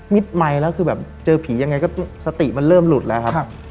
ไมค์แล้วคือแบบเจอผียังไงก็สติมันเริ่มหลุดแล้วครับ